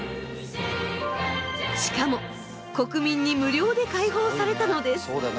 しかも国民に無料で開放されたのです。